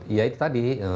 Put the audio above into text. ya itu tadi